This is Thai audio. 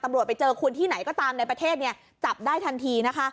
ไปเจอคุณที่ไหนก็ตามในประเทศเนี่ยจับได้ทันทีนะคะ